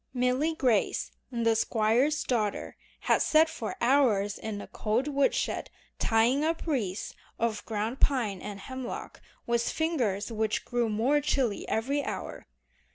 Milly Grace, the Squire's daughter, had sat for hours in a cold woodshed tying up wreaths of ground pine and hemlock with fingers which grew more chilly every hour.